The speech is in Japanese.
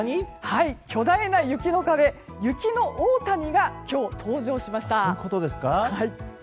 巨大な雪の壁、雪の大谷が今日、登場しました。